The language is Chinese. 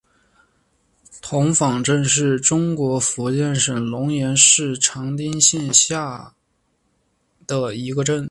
童坊镇是中国福建省龙岩市长汀县下辖的一个镇。